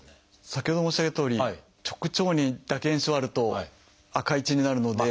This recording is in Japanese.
先ほど申し上げたとおり直腸にだけ炎症があると赤い血になるので。